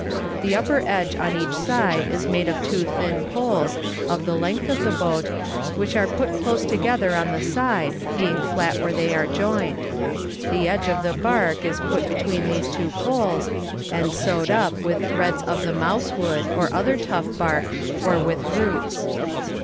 The upper edge on each side is made of two thin poles, of the length of the boat, which are put close together on the side, being flat where they are joined. The edge of the bark is put between these two poles, and sewed up with threads of the mouse wood, or other tough bark, or with roots.